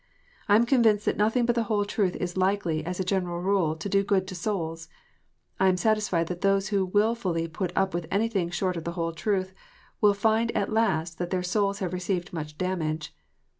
I am convinced that nothing but the whole truth is likely, as a general rule, to do good to souls. I am satisfied that those who wilfully put up with anything short of the whole truth, will find at last that their souls have received much damage.